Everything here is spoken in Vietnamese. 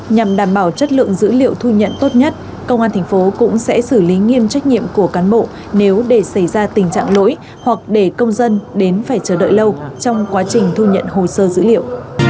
nhằm đảm bảo chất lượng dữ liệu thu nhận tốt nhất công an thành phố cũng sẽ xử lý nghiêm trách nhiệm của cán bộ nếu để xảy ra tình trạng lỗi hoặc để công dân đến phải chờ đợi lâu trong quá trình thu nhận hồ sơ dữ liệu